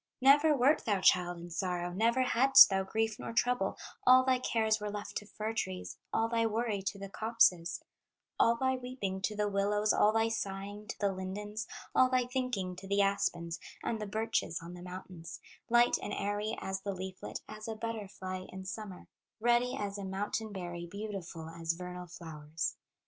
"Never wert thou, child, in sorrow, Never hadst thou grief nor trouble, All thy cares were left to fir trees, All thy worry to the copses, All thy weeping to the willows, All thy sighing to the lindens, All thy thinking to the aspens And the birches on the mountains, Light and airy as the leaflet, As a butterfly in summer, Ruddy as a mountain berry, Beautiful as vernal flowers.